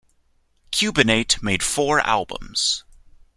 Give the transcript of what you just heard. Cubanate made four albums.